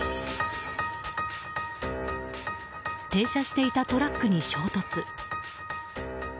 停車していたトラックに衝突。